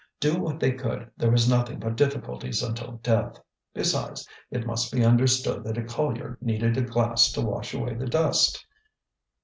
Do what they could, there was nothing but difficulties until death. Besides, it must be understood that a collier needed a glass to wash away the dust.